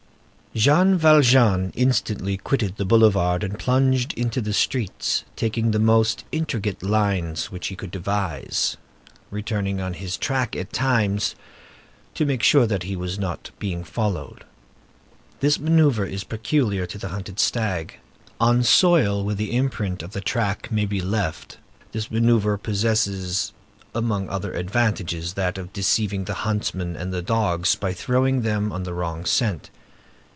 Jean Valjean instantly quitted the boulevard and plunged into the streets, taking the most intricate lines which he could devise, returning on his track at times, to make sure that he was not being followed. [Illustration: The Black Hunt] This manœuvre is peculiar to the hunted stag. On soil where an imprint of the track may be left, this manœuvre possesses, among other advantages, that of deceiving the huntsmen and the dogs, by throwing them on the wrong scent.